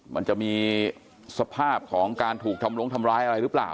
มันจะมีสภาพของการถูกทำลงทำร้ายอะไรหรือเปล่า